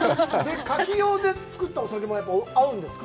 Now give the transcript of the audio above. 牡蠣用で造ったお酒も合うんですか？